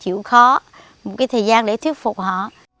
chịu khó một cái thời gian để thuyết phục họ